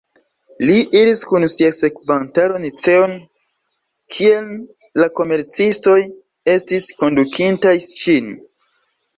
Li iris kun sia sekvantaro Niceon, kien la komercistoj estis kondukintaj ŝin.